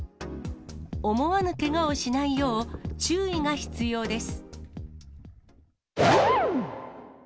思わぬけがをしないよう、注意が必要です。